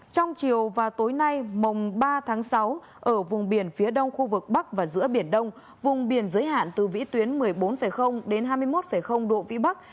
trong chiều và tối nay mồng ba tháng sáu ở vùng biển phía đông khu vực bắc và giữa biển đông vùng biển giới hạn từ vĩ tuyến một mươi bốn đến hai mươi một độ vĩ bắc